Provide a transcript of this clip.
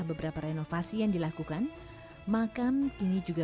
belak balik bersiar sampai ke cina